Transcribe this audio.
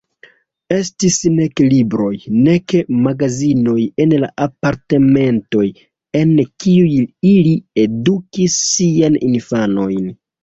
Estis nek libroj, nek magazinoj en la apartamentoj, en kiuj ili edukis siajn infanojn.